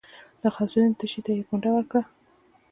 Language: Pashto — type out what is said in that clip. د غوث الدين تشي ته يې ګونډه ورکړه.